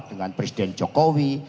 dengan presiden jokowi